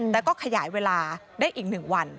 แต่ก็ขยายเวลาได้อีก๑วัน